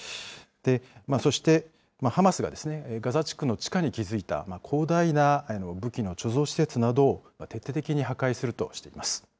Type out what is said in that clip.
そして、ハマスがガザ地区の地下に築いた広大な武器の貯蔵施設などを徹底的に破壊するとしています。